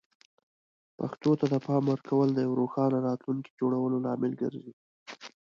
پښتو ته د پام ورکول د یوې روښانه راتلونکې جوړولو لامل ګرځي.